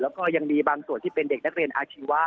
แล้วก็ยังมีบางส่วนที่เป็นเด็กนักเรียนอาชีวะ